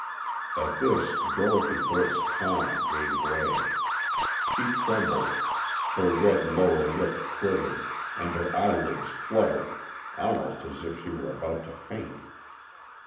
At this Dorothy Burt's calm gave way. She trembled, her red lower lip quivered, and her eye lids fluttered, almost as if she were about to faint.